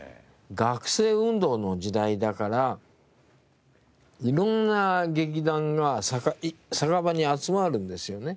学生運動の時代だから色んな劇団が酒場に集まるんですよね。